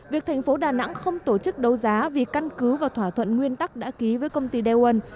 việc thành phố đà nẵng không tổ chức đấu giá vì căn cứ và thỏa thuận nguyên tắc đã ký với công ty daewon